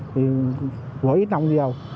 thì vội ít nồng nhiều